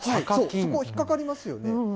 そこ、引っ掛かりますよね。